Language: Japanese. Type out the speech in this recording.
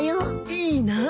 いいなあ。